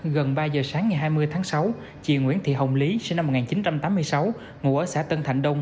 gần ba giờ sáng ngày hai mươi tháng sáu chị nguyễn thị hồng lý sinh năm một nghìn chín trăm tám mươi sáu ngụ ở xã tân thạnh đông